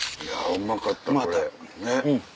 うまかったうん。